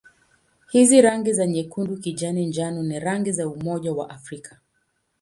Hizi rangi za nyekundu-kijani-njano ni rangi za Umoja wa Afrika.